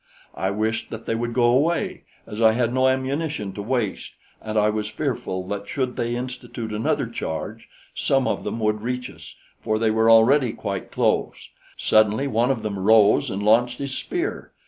I wished that they would go away, as I had no ammunition to waste, and I was fearful that should they institute another charge, some of them would reach us, for they were already quite close. Suddenly one of them rose and launched his spear.